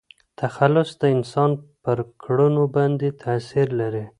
تخلص د انسان پر کړنو باندي تاثير لري.